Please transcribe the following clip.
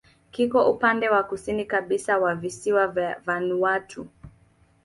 Kiko upande wa kusini kabisa wa visiwa vya Vanuatu.